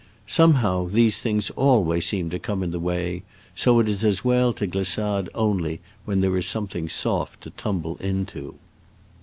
Somehow, these things always seem to come in the way, so it is as well to ghs sade only when there is something soft to tumble into."